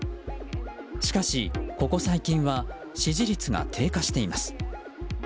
しかし、ここ最近は支持率が低下しています。